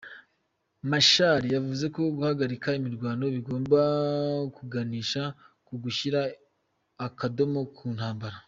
Machar yavuze ko guhagarika imirwano bigomba kuganisha ku gushyira akadomo ku ntambara.